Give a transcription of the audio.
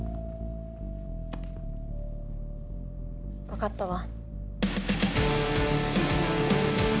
わかったわ。